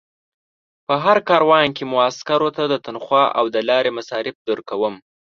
په هر کاروان کې مو عسکرو ته تنخوا او د لارې مصارف درکوم.